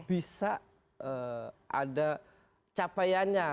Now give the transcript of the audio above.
bisa ada capaiannya